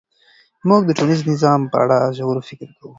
موږ د ټولنیز نظام په اړه ژور فکر کوو.